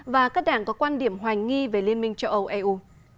và các đảng có quan điểm hoài nghi về liên minh châu âu eu